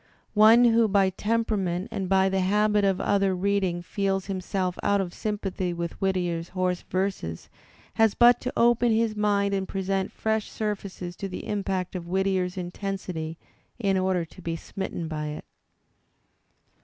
One who by temperament and by the habit of other reading feels himself out of sympathy with Whittier's hoarse verses has but to open his mind and present fresh surfaces to the impact of Whittier's intensity in order to be smitten by it.